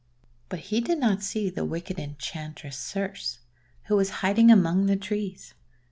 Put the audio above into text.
But he did not see the wicked Enchantress Circe, who was hiding among the trees.